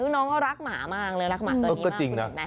น้องก็รักหมามากเลยรักหมาตัวนี้มาก